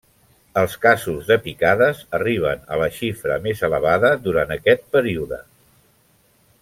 Els casos de picades arriben a la xifra més elevada durant aquest període.